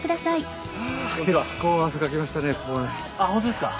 あっ本当ですか？